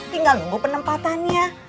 tinggal tunggu penempatannya